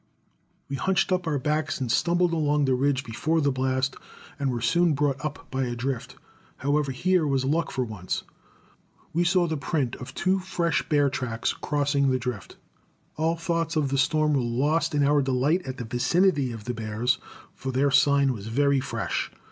We hunched up our backs and stumbled along the ridge before the blast, and were soon brought up by a drift. However, here was luck for once. We saw the print of two fresh bear tracks crossing the drift. All thoughts of the storm were lost in our delight at the vicinity of bears, for the sign was very fresh.